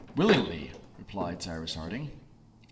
"Willingly," replied Cyrus Harding.